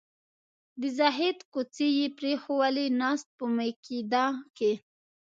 د زهد کوڅې یې پرېښوولې ناست په میکده کې